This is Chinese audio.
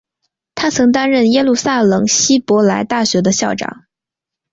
他曾担任耶路撒冷希伯来大学的校长。